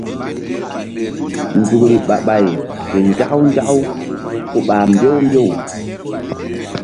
Nzukri ɓah ɓay ke nzaku nzaku ku ɓah mbew mbew.